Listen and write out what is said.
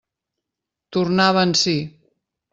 Tornava en si.